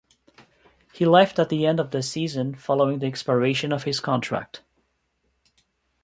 He left at the end of the season following the expiration of his contract.